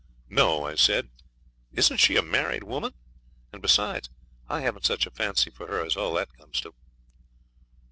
'No,' I said; 'isn't she a married woman? and, besides, I haven't such a fancy for her as all that comes to.'